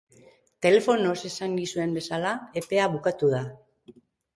Telefonoz esan nizuen bezala, epea bukatu da.